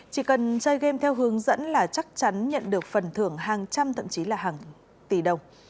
chỉ cần chơi game theo hướng dẫn là chắc chắn nhận được phần thưởng hàng trăm thậm chí là hàng tỷ đồng